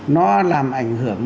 nó làm ảnh hưởng